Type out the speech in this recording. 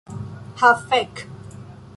Ha, fek'.